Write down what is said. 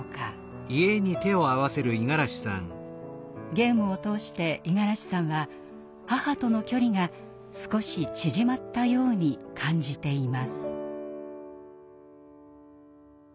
ゲームを通して五十嵐さんは母との距離が少し縮まったように感じています。